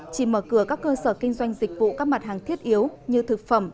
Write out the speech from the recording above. chỉ mở cửa các cơ sở kinh doanh dịch vụ các mặt hàng thiết yếu như thực phẩm